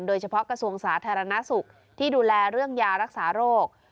กระทรวงสาธารณสุขที่ดูแลเรื่องยารักษาโรค